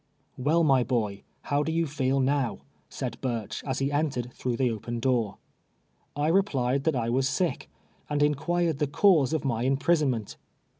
" Well, my boy, how do you feel no'.v f said Burcli, as he entered through the open door. I re plied that I was sick, and inquired the cause of my imprisonment.